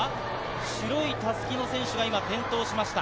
白い襷の選手が今、転倒しました。